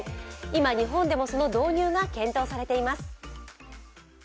今、日本でもその導入が検討されています。